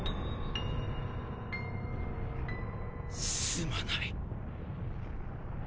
すまない。